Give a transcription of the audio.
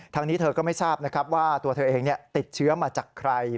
นี้เธอก็ไม่ทราบนะครับว่าตัวเธอเองติดเชื้อมาจากใคร